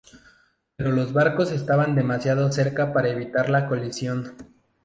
Pero los barcos estaban demasiado cerca para evitar la colisión.